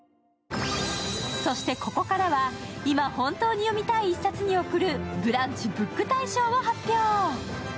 ここからは今本当に読みたい一冊に贈るブランチＢＯＯＫ大賞を発表。